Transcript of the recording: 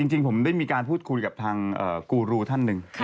จริงผมได้มีการพูดคุยกับทางกูรูท่านหนึ่ง